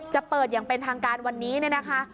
จะเปิดอย่างเป็นทางการวันนี้เนี่ยนะคะ